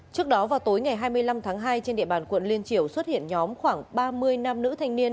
trước đó vào tối ngày hai mươi năm tháng hai trên địa bàn quận liên triều xuất hiện nhóm khoảng ba mươi nam nữ thanh niên